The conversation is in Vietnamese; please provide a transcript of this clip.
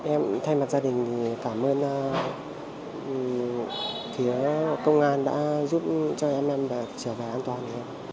em thay mặt gia đình cảm ơn thiếu công an đã giúp cho em em trở về an toàn